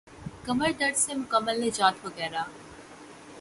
کمر درد سے مکمل نجات وغیرہ